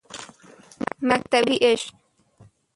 مکتبِ عشق